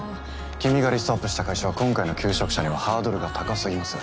君がリストアップした会社は今回の求職者にはハードルが高すぎます。